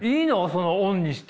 そのオンにして。